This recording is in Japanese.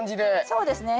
そうですね。